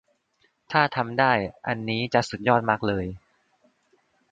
ถ้าทำได้ อันนี้จะสุดยอดมากเลย